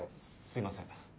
すいません。